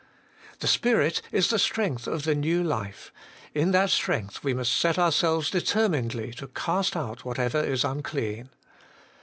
The Spirit is the strength of the new life ; in that strength we must set ourselves determinedly to cast out whatever is unclean.